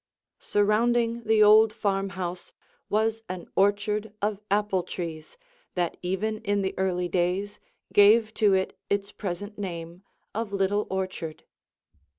Surrounding the old farmhouse was an orchard of apple trees that even in the early days gave to it its present name of Little Orchard.